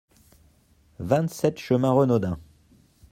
vingt-sept chemin Renaudin